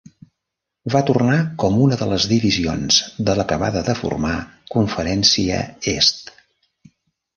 Va tornar com una de les divisions de l'acabada de formar conferència est.